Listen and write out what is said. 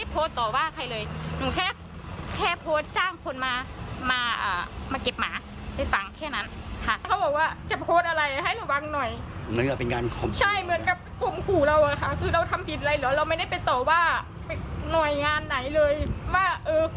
จากหมาแล้วก็จากเรา